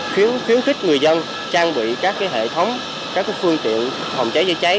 khiến khích người dân trang bị các hệ thống các phương tiện phòng cháy cháy cháy